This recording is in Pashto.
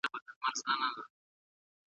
د طلاق محل په صحيحه نکاح کي ميرمن ده.